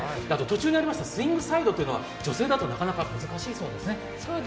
途中にありましたスイングサイドというのは女性だとなかなか難しいんだそうですね。